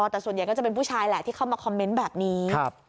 แต่ส่วนใหญ่ก็จะเป็นผู้ชายแหละที่เข้ามาคอมเมนต์แบบนี้